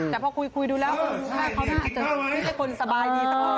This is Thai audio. แต่พอคุยดูแล้วเขาอาจจะไม่ใกล้คนสบายดีตัวก็ไหล